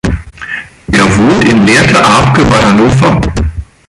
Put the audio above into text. Er wohnt in Lehrte-Arpke bei Hannover.